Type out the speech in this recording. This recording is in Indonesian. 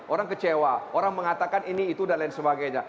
orang kecewa orang mengatakan ini itu dan lain sebagainya